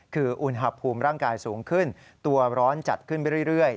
คืออุณหภูมิร่างกายสูงขึ้นตัวร้อนจัดขึ้นไปเรื่อย